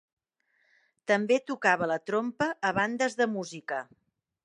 També tocava la trompa a bandes de música.